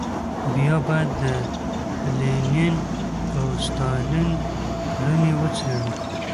بیا باید د لینین او ستالین کړنې وڅېړو.